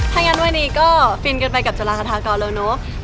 ถ้างั้นวันนี้ก็ฟินกันไปกับจุฬาสถานกรแล้วเนอะ